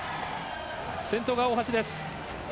先頭が大橋です。